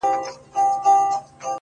• دې د ابوجهل له اعلان سره به څه کوو ,